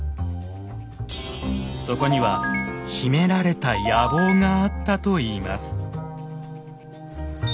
そこには秘められた野望があったといいます。